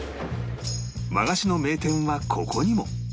和菓子の名店はここにも